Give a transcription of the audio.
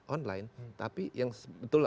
online tapi yang sebetulnya